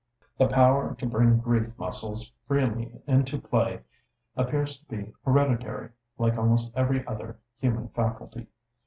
The power to bring the grief muscles freely into play appears to be hereditary, like almost every other human faculty.